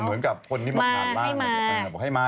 เหมือนกับคนที่บอกท่านมา